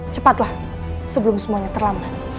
cepatlah sebelum semuanya terlambat